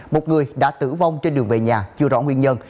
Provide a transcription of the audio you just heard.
một người đã tử vong trên đường về nhà chưa rõ nguyên nhân